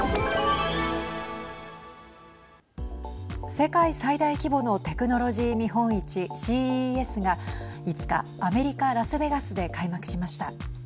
世界最大規模のテクノロジー見本市ＣＥＳが５日アメリカラスベガスで開幕しました。